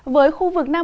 với khu vực nam